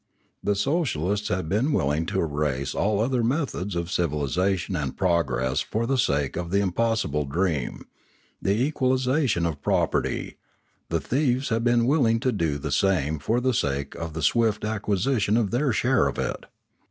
The socialists had been willing to erase all other methods of civilisation and progress for the sake of the impossible dream, the equalisation of property; the thieves had been willing to do the same for the sake of the swift acquisition of their share of it.